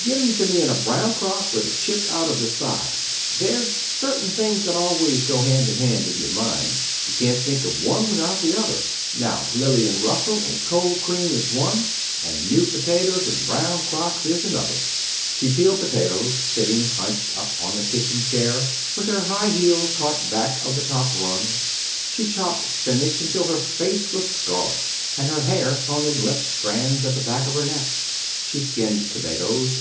"Give 'em to me in a brown crock, with a chip out of the side. There's certain things always goes hand in hand in your mind. You can't think of one without the other. Now, Lillian Russell and cold cream is one; and new potatoes and brown crocks is another." [Illustration: "'Now, Lillian Russell and cold cream is one; and new potatoes and brown crocks is another'"] She peeled potatoes, sitting hunched up on the kitchen chair with her high heels caught back of the top rung. She chopped spinach until her face was scarlet, and her hair hung in limp strands at the back of her neck. She skinned tomatoes.